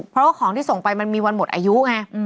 เพราะว่าของที่ส่งไปมันมีวันหมดอายุไง